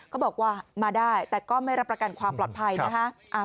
เขาบอกว่ามาได้แต่ก็ไม่รับประกันความปลอดภัยนะคะ